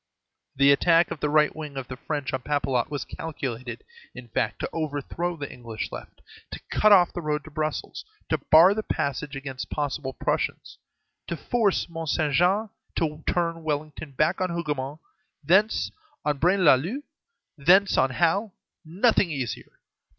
The attack of the right wing of the French on Papelotte was calculated, in fact, to overthrow the English left, to cut off the road to Brussels, to bar the passage against possible Prussians, to force Mont Saint Jean, to turn Wellington back on Hougomont, thence on Braine l'Alleud, thence on Hal; nothing easier.